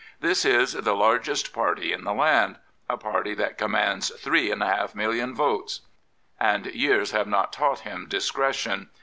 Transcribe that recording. This to the largest party in the land — a party that commands three and a half million votes. And years have not taught him discretion.